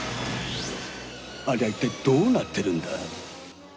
ありゃ一体どうなってるんだ？